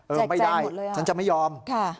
ไม่ได้ฉันจะไม่ยอม